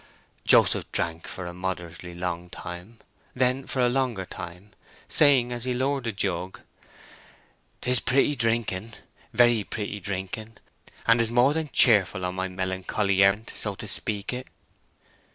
Joseph drank for a moderately long time, then for a longer time, saying, as he lowered the jug, "'Tis pretty drinking—very pretty drinking, and is more than cheerful on my melancholy errand, so to speak it."